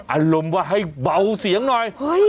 อารมณ์ว่าให้เบาเสียงหน่อย